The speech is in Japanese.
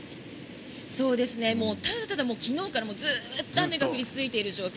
ただただ昨日からずっと雨が降り続いている状況